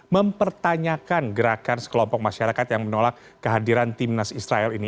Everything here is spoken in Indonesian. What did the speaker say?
mempertanyakan gerakan sekelompok masyarakat yang menolak kehadiran timnas israel ini